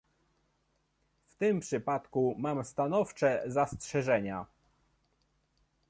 W tym przypadku mam stanowcze zastrzeżenia